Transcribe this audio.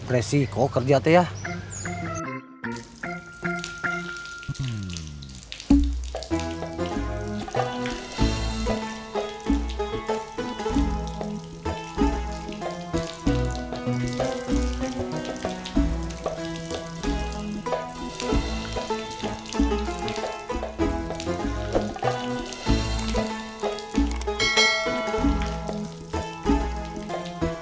resiko kerjaan ya